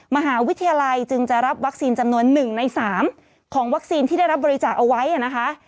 มหาวิทยาลัยจึงจะรับวัคซีนจำนวน๑ใน๓ของวัคซีนที่ได้รับบริจาคเอาไว้นะคะ